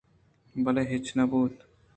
بلئے ہچ نہ بوت